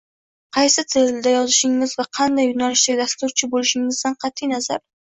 Qaysi tilda yozishingiz va qanday yo’nalishdagi dasturchi bo’lishingizdan qat’iy nazar